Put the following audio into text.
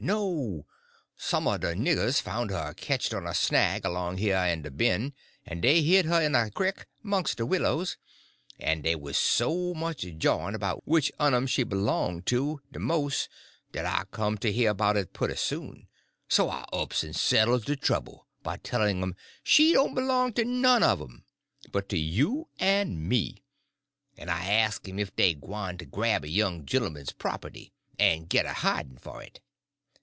No; some er de niggers foun' her ketched on a snag along heah in de ben', en dey hid her in a crick 'mongst de willows, en dey wuz so much jawin' 'bout which un 'um she b'long to de mos' dat I come to heah 'bout it pooty soon, so I ups en settles de trouble by tellin' 'um she don't b'long to none uv um, but to you en me; en I ast 'm if dey gwyne to grab a young white genlman's propaty, en git a hid'n for it?